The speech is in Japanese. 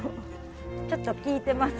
ちょっときいてます？